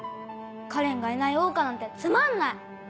花恋がいない桜花なんてつまんない！